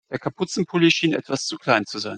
Der Kapuzenpulli schien etwas zu klein zu sein.